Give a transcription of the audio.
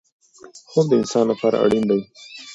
خوب د انسان لپاره اړین دی.